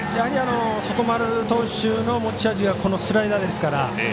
外丸投手の持ち味はこのスライダーですから。